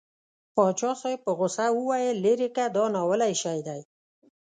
پاچا صاحب په غوسه وویل لېرې که دا ناولی شی دی.